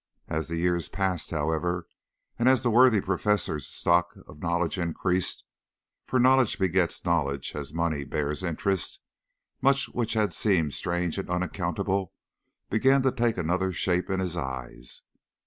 As the years passed, however, and as the worthy Professor's stock of knowledge increased, for knowledge begets knowledge as money bears interest, much which had seemed strange and unaccountable began to take another shape in his eyes.